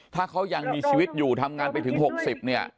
ถ้าเขายังมีชีวิตอยู่ทำงานไปถึง๖๐เนี่ย